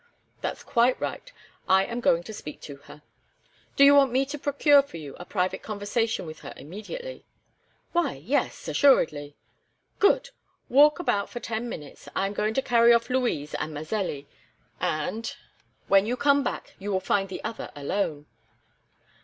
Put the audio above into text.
"That's quite right. I am going to speak to her." "Do you want me to procure for you a private conversation with her immediately?" "Why, yes, assuredly." "Good! Walk about for ten minutes. I am going to carry off Louise and Mazelli, and, when you come back, you will find the other alone."